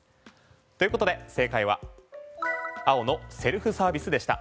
ということで、正解は青のセルフサービスでした。